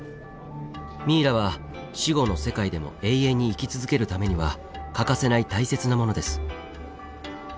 ミイラは死後の世界でも永遠に生き続けるためには欠かせない大切なものです。